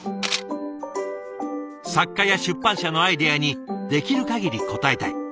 作家や出版社のアイデアにできる限り応えたい。